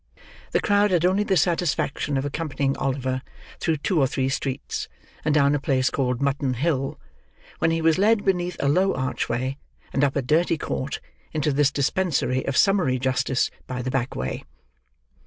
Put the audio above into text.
The crowd had only the satisfaction of accompanying Oliver through two or three streets, and down a place called Mutton Hill, when he was led beneath a low archway, and up a dirty court, into this dispensary of summary justice, by the back way.